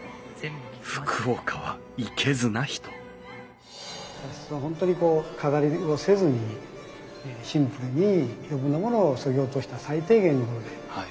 福岡はいけずな人茶室は本当にこう飾りをせずにシンプルに余分なものをそぎ落とした最低限なもので。